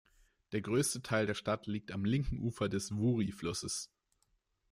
Der größte Teil der Stadt liegt am linken Ufer des Wouri-Flusses.